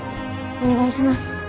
お願いします。